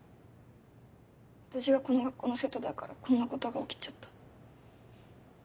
私がこの学校の生徒だからこんなことが起きちゃった。